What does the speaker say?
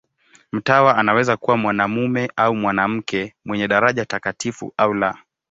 Mtawa anaweza kuwa mwanamume au mwanamke, mwenye daraja takatifu au la.